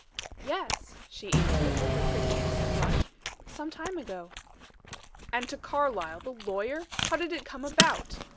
"Yes," she answered, with her pretty, innocent blush. "Some time ago." "And to Carlyle, the lawyer! How did it come about?"